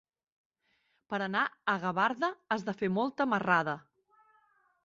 Per anar a Gavarda has de fer molta marrada.